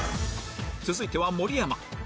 続いては盛山